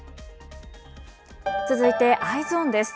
続いてＥｙｅｓｏｎです。